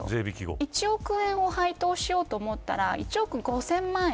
１億円を配当しようと思ったら１億５０００万円。